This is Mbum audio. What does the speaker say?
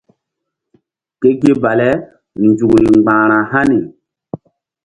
Ke gi bale nzukri gbara hani.